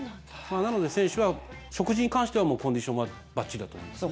なので選手は食事に関してはコンディションはばっちりだと思います。